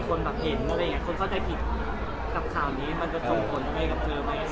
คนเข้าใจผิดกับข่าวนี้มันจะจูงกะบเตอร์มั้ย